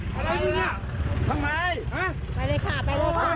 จะเป็นเวลาปลอดภัยที่คุณตายในบ้าน